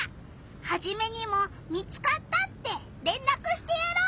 ハジメにも見つかったってれんらくしてやろう！